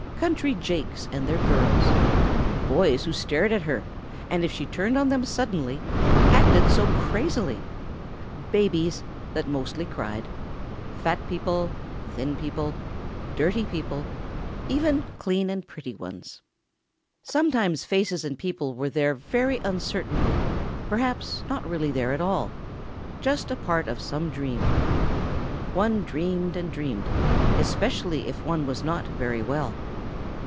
Country jakes and their girls. Boys who stared at her, and if she turned on them suddenly, acted so crazily ... babies—that mostly cried ... fat people ... thin people ... dirty people ... even clean and pretty ones. Sometimes faces and people were there very uncertainly—perhaps not really there at all—just a part of some dream. One dreamed and dreamed, especially if one was not very well.